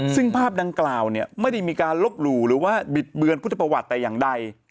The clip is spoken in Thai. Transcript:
ซึ่งภาพดังกล่าวเนี่ยไม่ได้มีการลบหลู่หรือว่าบิดเบือนพุทธประวัติแต่อย่างใด